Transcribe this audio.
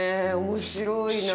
面白いな。